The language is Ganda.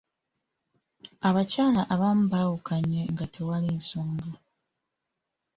Abakyala abamu baawukanye nga tewali nsonga.